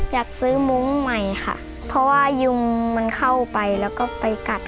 อยากซื้อมุ้งใหม่ค่ะเพราะว่ายุงมันเข้าไปแล้วก็ไปกัด